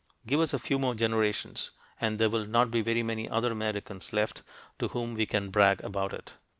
Give us a few more generations and there will not be very many other Americans left to whom we can brag about it.